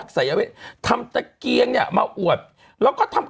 ข้อมูลของเหยื่อเขาบอกว่า